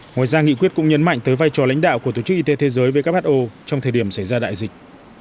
ngoài ra nghị quyết cũng nhấn mạnh tới vai trò lãnh đạo của tổ chức y tế thế giới who trong thời điểm xảy ra đại dịch